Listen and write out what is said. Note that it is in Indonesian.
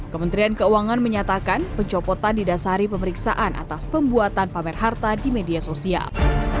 kementerian keuangan menyatakan pencopotan didasari pemeriksaan atas pembuatan pamer harta di media sosial